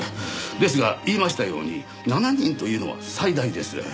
ですが言いましたように７人というのは最大です。